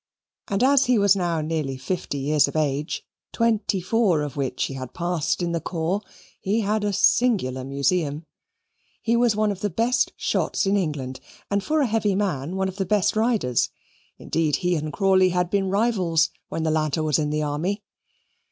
And as he was now nearly fifty years of age, twenty four of which he had passed in the corps, he had a singular museum. He was one of the best shots in England, and, for a heavy man, one of the best riders; indeed, he and Crawley had been rivals when the latter was in the Army.